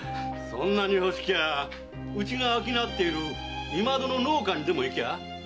そんなに欲しきゃうちが商ってる今戸の農家にでも行きゃあ？